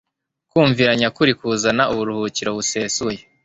Kumvira nyakuri kuzana uburuhukiro busesuye.